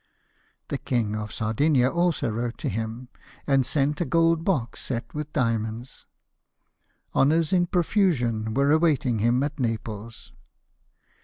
The King of Sardinia also wrote to him, and sent a gold box set with diamonds. Honours in profusion were awaiting him at Naples.